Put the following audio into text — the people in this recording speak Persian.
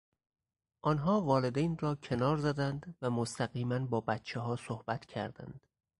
آنها والدین را کنار زدند و مستقیما با بچهها صحبت کردند.